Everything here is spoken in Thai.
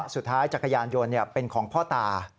จักรยานยนต์เป็นของพ่อตา